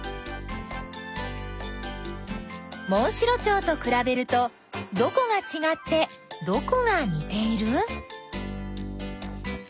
モンシロチョウとくらべるとどこがちがってどこがにている？